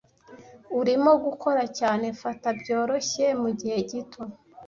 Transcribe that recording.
Urimo gukora cyane. Fata byoroshye mugihe gito.